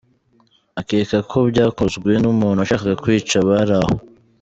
Akeka ko byakozwe n’umuntu washakaga kwica abari aho.